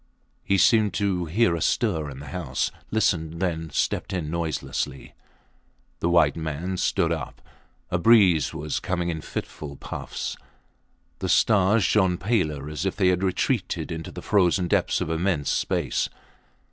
He seemed to hear a stir in the house listened then stepped in noiselessly. The white man stood up. A breeze was coming in fitful puffs. The stars shone paler as if they had retreated into the frozen depths of immense space.